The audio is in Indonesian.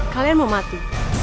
kalian mau mati